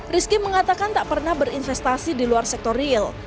rizky mengatakan tak pernah berinvestasi di luar sektor real